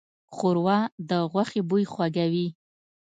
ښوروا د غوښې بوی خوږوي.